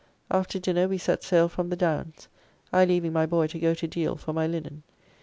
After dinner we set sail from the Downs, I leaving my boy to go to Deal for my linen.